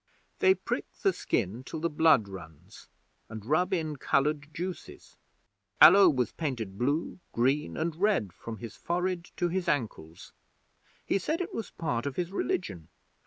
'They prick the skin till the blood runs, and rub in coloured juices. Allo was painted blue, green, and red from his forehead to his ankles. He said it was part of his religion.